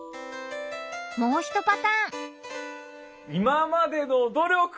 もうひとパターン！